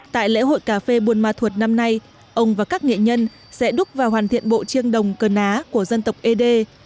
tại lễ hội cà phê buôn ma thuột năm nay ông và các nghệ nhân sẽ đúc và hoàn thiện bộ chiêng đồng cờ ná của dân tộc ế đê